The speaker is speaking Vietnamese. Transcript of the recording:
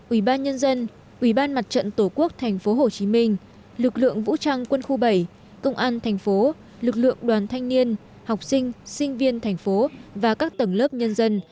ủy ban nhân dân ủy ban mặt trận tổ quốc tp hcm lực lượng vũ trang quân khu bảy công an thành phố lực lượng đoàn thanh niên học sinh sinh viên thành phố và các tầng lớp nhân dân